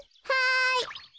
はい。